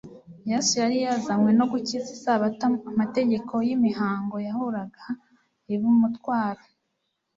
Yesu yari yazanywe no gukiza isabato amategeko y'imihango yahuruaga iba umutwaro